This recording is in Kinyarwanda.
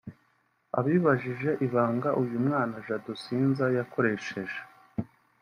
Abibajije ibanga uyu mwana Jado Sinza yakoresheje